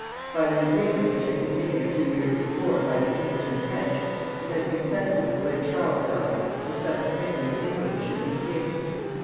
By the agreement which had been made a few years before by the English and French it had been settled that when Charles died the son of Henry of England should be king.